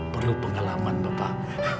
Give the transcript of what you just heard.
perlu pengalaman bapak